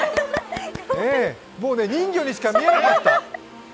もうね、人魚にしか見えなかった。